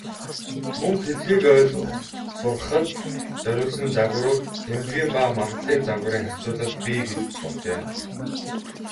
Мөн хэлийг ойлгох, сурахад зориулсан загварууд, тэмдгийн ба магадлалын загварын харьцуулал бий болжээ.